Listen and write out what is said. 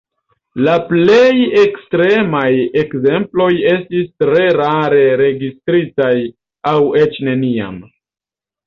La plej ekstremaj ekzemploj estis tre rare registritaj aŭ eĉ neniam.